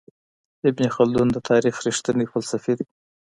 ابن خلدون د تاريخ رښتينی فلسفي دی.